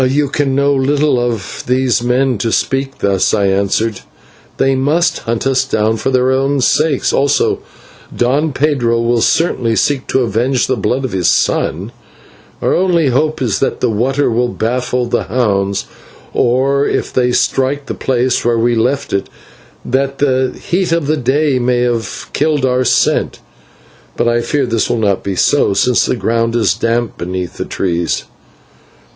"You can know little of these men to speak thus," I answered; "they must hunt us down for their own sakes, also Don Pedro will certainly seek to avenge the blood of his son. Our only hope is that the water will baffle the hounds, or that, if they strike the place where we left it, the heat of the day may have killed our scent. But I fear that this will not be so, since the ground is damp beneath the trees."